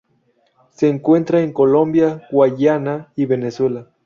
Se encuentra en Colombia, Guayana y Venezuela.